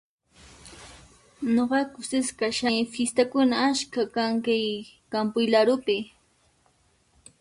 Nuqaqa kusisqa kashani fistakuna achkha kan kay kampuy larupi.